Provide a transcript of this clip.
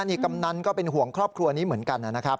นี่กำนันก็เป็นห่วงครอบครัวนี้เหมือนกันนะครับ